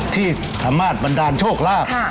ที่สามารถบันดาลโชคลาภ